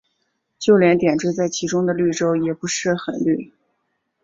就连点缀在其中的绿洲也不很绿。